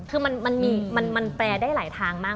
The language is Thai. คือมันแปลได้หลายทางมาก